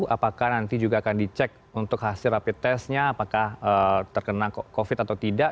apakah nanti juga akan dicek untuk hasil rapid testnya apakah terkena covid atau tidak